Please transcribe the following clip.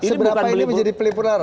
seberapa ini menjadi pelipur lara